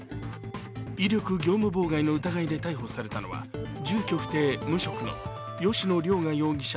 威力業務妨害の疑いで逮捕されたのは住居不定・無職の吉野凌雅容疑者